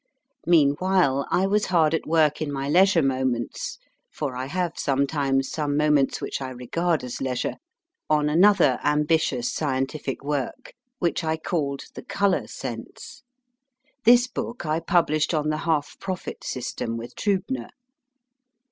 Meanwhile, I was hard at work in my leisure moments (for I have sometimes some moments which I regard as leisure) on another ambitious scientific work, which I called The Colour Sense. This book I published on the half profits system with Triibner.